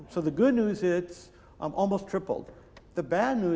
sejak beberapa tahun lalu